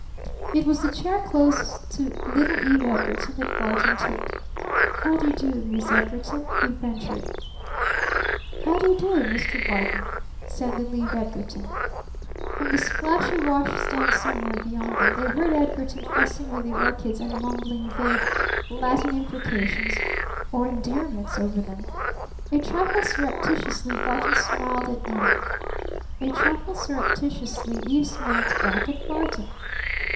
It was the chair closest to little Eve Edgarton that Barton took. "How do you do, Miss Edgarton?" he ventured. "How do you do, Mr. Barton?" said little Eve Edgarton. From the splashy wash stand somewhere beyond them, they heard Edgarton fussing with the orchids and mumbling vague Latin imprecations or endearments over them. A trifle surreptitiously Barton smiled at Eve. A trifle surreptitiously Eve smiled back at Barton.